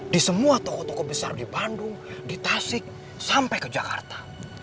di semua toko toko besar di bandung di tasik sampai ke jakarta